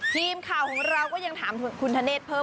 ทีมข่าวของเราก็ยังถามคุณธเนธเพิ่ม